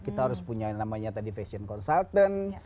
kita harus punya yang namanya tadi fashion consultant